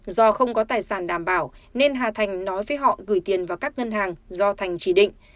do không có tài sản đảm bảo nên hà thành nói với họ gửi tiền vào các ngân hàng do thành chỉ định